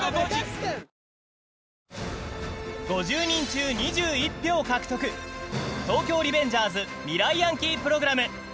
５０人中２１票獲得「東京リベンジャーズ」未来ヤンキープログラム